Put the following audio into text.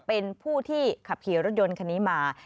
เป็นผู้ที่ขับขี่รถยนต์คันนี้มา